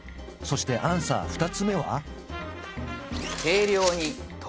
そしてアンサー２つ目は？